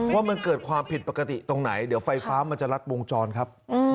ว่ามันเกิดความผิดปกติตรงไหนเดี๋ยวไฟฟ้ามันจะรัดวงจรครับ